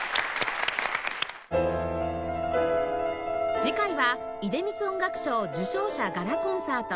次回は出光音楽賞受賞者ガラコンサート